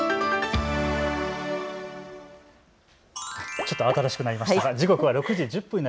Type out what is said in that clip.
ちょっと慌ただしくなりましたが時刻は６時１０分です。